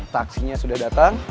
taksinya sudah datang